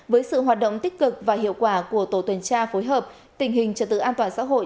với sự hoạt động tích cực và hiệu quả của tổ tuần tra phối hợp tình hình trật tự an toàn xã hội